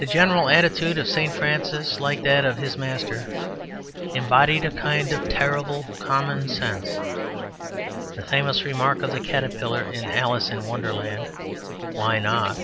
The general attitude of St Francis, like that of his Master, embodied a kind of terrible common sense. The famous remark of the Caterpillar in 'Alice in Wonderland' 'Why not?'